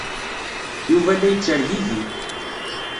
Yuba la yettergigi.